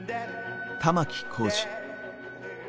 玉置浩二。